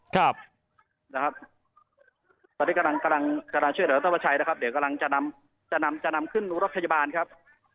ตอนนี้กำลังช่วยเหลือรถพยาบาลวันชัยนะครับเดี๋ยวกำลังจะนำขึ้นรถพยาบาลครับ